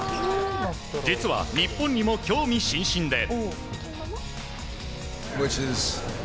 実は日本にも興味津々で。